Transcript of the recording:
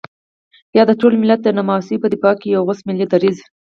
يا د ټول ملت د نواميسو په دفاع کې يو غوڅ ملي دريځ.